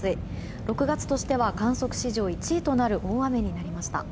６月としては観測史上１位となる大雨になりました。